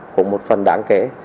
cũng một phần đáng kể